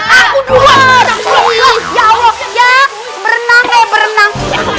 hai bahwa ya insya allah berenang pernah